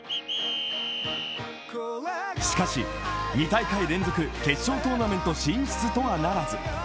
しかし、２大会連続決勝トーナメント進出とはならず。